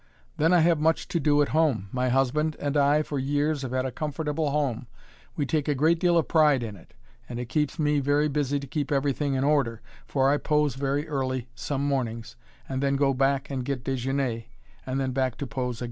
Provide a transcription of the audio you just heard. Then I have much to do at home; my husband and I for years have had a comfortable home; we take a great deal of pride in it, and it keeps me very busy to keep everything in order, for I pose very early some mornings and then go back and get déjeuner, and then back to pose again.